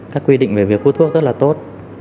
các quy định về việc hút thuốc rất là tốt